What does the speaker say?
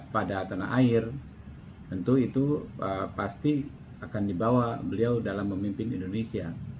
pada tanah air tentu itu pasti akan dibawa beliau dalam memimpin indonesia